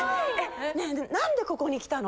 「なんでここに来たの？